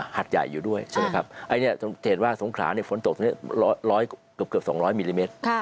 หัดใหญ่อยู่ด้วยใช่ไหมครับอันนี้จะเห็นว่าสงขลาเนี่ยฝนตกร้อยเกือบ๒๐๐มิลลิเมตร